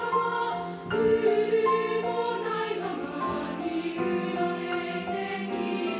「ルールもないままに生まれてきた」